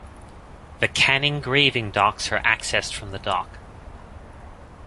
The Canning Graving Docks are accessed from the dock.